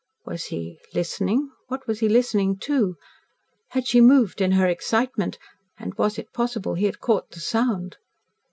Was he listening? What was he listening to? Had she moved in her excitement, and was it possible he had caught the sound?